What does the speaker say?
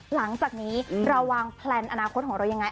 หลังจากนี้เราวางแพลนอนาคตของเรายังไง